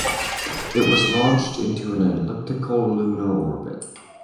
It was launched into an elliptical lunar orbit.